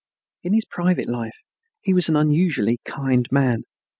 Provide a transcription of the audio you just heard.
In his private life he was an unusually kind man.